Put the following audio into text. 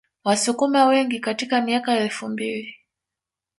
Wasukuma wengi katika miaka ya elfu mbili